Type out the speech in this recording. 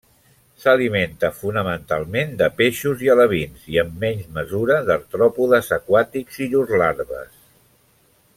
S'alimenta fonamentalment de peixos i alevins i, en menys mesura, d'artròpodes aquàtics i llurs larves.